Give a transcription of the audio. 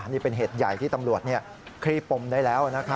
นี่เป็นเหตุใหญ่ที่ตำรวจคลี่ปมได้แล้ว